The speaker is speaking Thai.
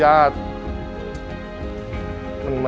ญาติ